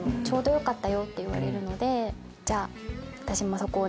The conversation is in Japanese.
ちょうどよかったよって言われるのでじゃあ。